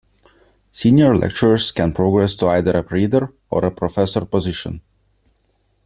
Senior lecturers can progress to either a reader or a professor position.